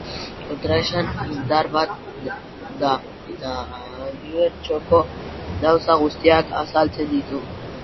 Kontraesan indar bat da eta unibertsoko gauza guztiak azaltzen ditu.